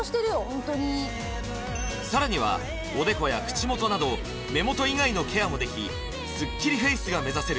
ホントにさらにはおでこや口元など目元以外のケアもできスッキリフェイスが目指せる